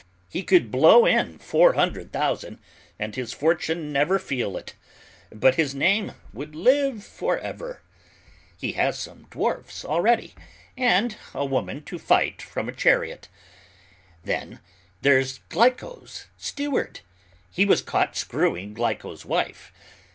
He could blow in four hundred thousand and his fortune never feel it, but his name would live forever. He has some dwarfs already, and a woman to fight from a chariot. Then, there's Glyco's steward; he was caught screwing Glyco's wife.